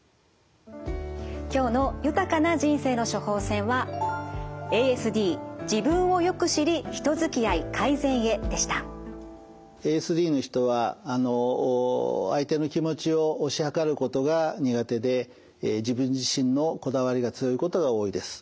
今日の豊かな人生の処方せんはＡＳＤの人は相手の気持ちを推し量ることが苦手で自分自身のこだわりが強いことが多いです。